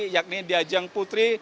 yakni di ajang putri